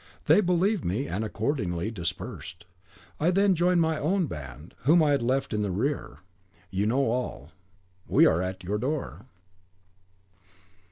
They believed me, and accordingly dispersed. I then joined my own band, whom I had left in the rear; you know all. We are at your door."